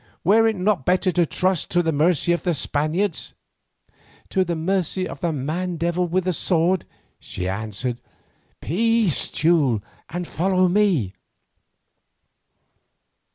"Were it not better to trust to the mercy of the Spaniards?" "To the mercy of that man devil with the sword?" she answered. "Peace, Teule, and follow me."